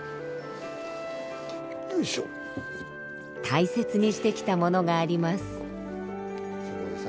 大切にしてきたものがあります。